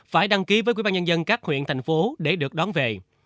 phải đăng ký với quỹ ban nhân dân các huyện thành phố để được đón về